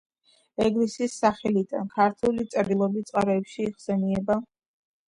ეგრისის სახელიდან. ქართულ წერილობით წყაროებში იხსენიება